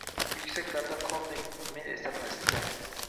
Yuksaklarda qolding, men esa pastda